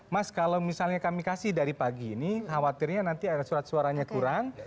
mas kalau misalnya kami kasih dari pagi ini khawatirnya nanti ada surat suaranya kurang